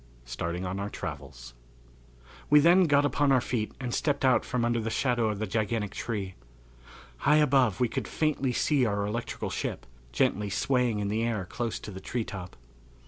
Starting on our Travels. We then got upon our feet and stepped out from under the shadow of the gigantic tree. High above we could faintly see our electrical ship, gently swaying in the air close to the treetop.